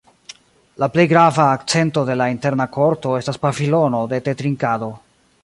La plej grava akcento de la interna korto estas pavilono de tetrinkado.